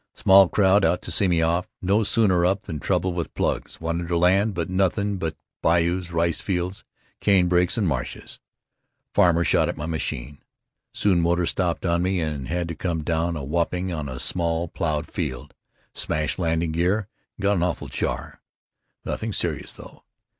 Small crowd out to see me off. No sooner up than trouble with plugs. Wanted to land, but nothing but bayous, rice fields, cane breaks, and marshes. Farmer shot at my machine. Soon motor stopped on me and had to come down awhooping on a small plowed field. Smashed landing gear and got an awful jar. Nothing serious though.